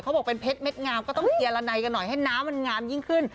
บอกเป็นเพชรเม็ดงามก็ต้องเจียละในกันหน่อยให้น้ำมันงามยิ่งขึ้น